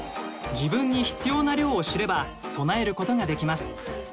自分に必要な量を知れば備えることができます。